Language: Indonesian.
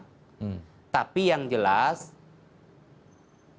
kami tidak pernah bikin instruksi untuk menghubung bandara dengan sekian ribu sekian juta orang